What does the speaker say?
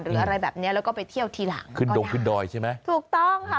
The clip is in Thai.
หรืออะไรแบบนี้แล้วก็ไปเที่ยวทีหลังขึ้นโดยใช่ไหมถูกต้องค่ะ